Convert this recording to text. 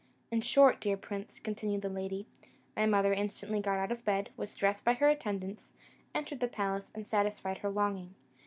In short, dear prince," continued the lady, "my mother instantly got out of bed, was dressed by her attendants, entered the palace, and satisfied her longing.